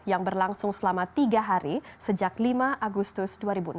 yang berlangsung selama tiga hari sejak lima agustus dua ribu enam belas